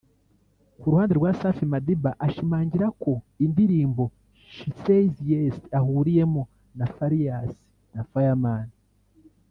Ku ruhande rwa Safi Madiba ashimangira ko indirimbo ‘She Says Yes’ ahuriyemo na Farious na Fireman